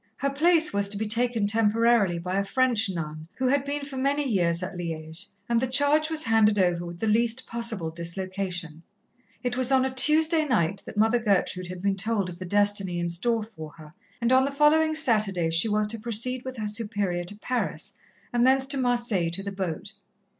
Her place was to be taken temporarily by a French nun who had been for many years at Liège, and the charge was handed over with the least possible dislocation. It was on a Tuesday night that Mother Gertrude had been told of the destiny in store for her, and on the following Saturday she was to proceed with her Superior to Paris, and thence to Marseilles to the boat.